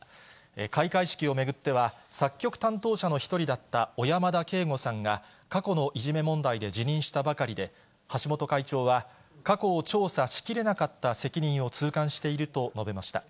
開会式を巡っては、作曲担当者の一人だった小山田圭吾さんが、過去のいじめ問題で辞任したばかりで、橋本会長は、過去を調査しきれなかった責任を痛感していると述べました。